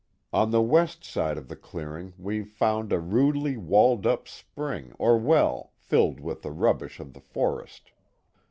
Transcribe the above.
On the west side of the clearing we found a rudely walled up spring or well, filled with the rubbish of the forest.